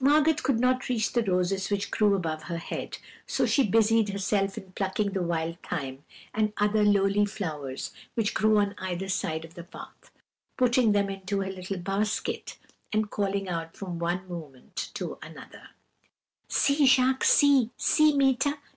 "Margot could not reach the roses which grew above her head, so she busied herself in plucking the wild thyme and other lowly flowers which grew on either side of the path, putting them into her little basket and calling out from one moment to another: "'See, Jacques! see, see, Meeta!